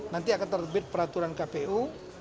nanti akan terbit peraturan kpu